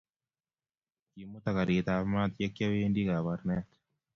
Kimuta karit ab maat yekiawendii Kabarnet